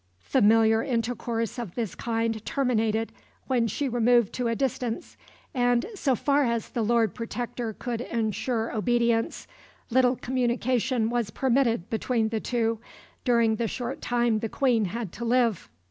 Familiar intercourse of this kind terminated when she removed to a distance; and, so far as the Lord Protector could ensure obedience, little communication was permitted between the two during the short time the Queen had to live.